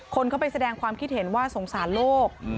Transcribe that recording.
คนเข้าไปแสดงความคิดเห็นว่าสงสารโลก